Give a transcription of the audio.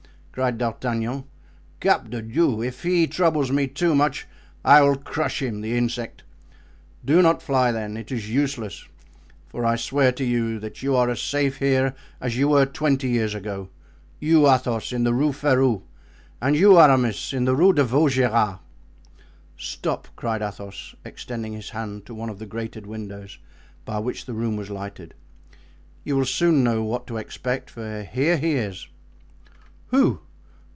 cried D'Artagnan. "Cap de Diou! if he troubles me too much I will crush him, the insect! Do not fly, then. It is useless; for I swear to you that you are as safe here as you were twenty years, ago—you, Athos, in the Rue Ferou, and you, Aramis, in the Rue de Vaugirard." "Stop," cried Athos, extending his hand to one of the grated windows by which the room was lighted; "you will soon know what to expect, for here he is." "Who?"